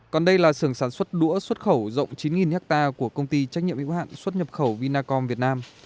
còn đây là sưởng sản xuất đũa xuất khẩu rộng chín ha của công ty trách nhiệm hữu hạn xuất nhập khẩu vinacom việt nam